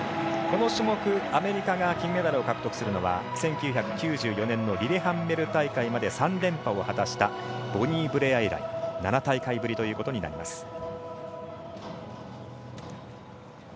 この種目アメリカが金メダルを獲得するのは１９９４年のリレハンメル大会で３連覇を果たしたボニー・ブレア以来７大会ぶりということになります。